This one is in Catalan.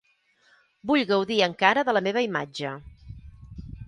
Vull gaudir encara de la meva imatge.